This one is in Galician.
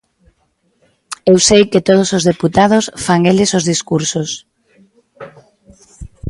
Eu sei que todos os deputados fan eles os discursos.